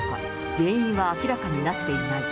原因は明らかになっていない。